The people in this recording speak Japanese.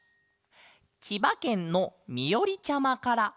ちばけんのみおりちゃまから。